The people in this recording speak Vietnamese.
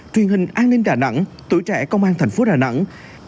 truyền hình an ninh đà nẵng tuổi trẻ công an thành phố đà nẵng